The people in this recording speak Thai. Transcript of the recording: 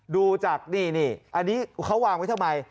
ดูจากนี่อันนี้เขาวางไว้ทำไม